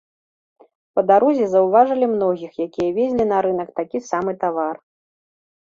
Па дарозе заўважылі многіх, якія везлі на рынак такі самы тавар.